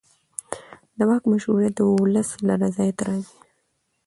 د واک مشروعیت د ولس له رضایت راځي